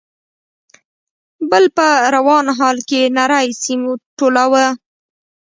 ، بل په روان حال کې نری سيم ټولاوه.